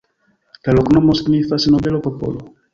La loknomo signifas: nobelo-popolo.